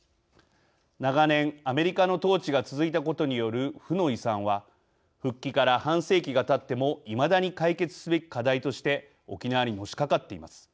長年アメリカの統治が続いたことによる負の遺産は復帰から半世紀がたってもいまだに解決すべき課題として沖縄にのしかかっています。